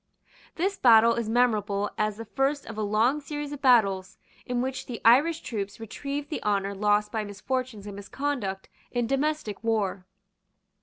This battle is memorable as the first of a long series of battles in which the Irish troops retrieved the honour lost by misfortunes and misconduct in domestic war.